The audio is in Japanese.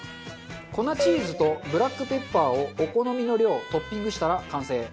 粉チーズとブラックペッパーをお好みの量トッピングしたら完成。